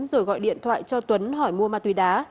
rồi gọi điện thoại cho tuấn hỏi mua ma túy đá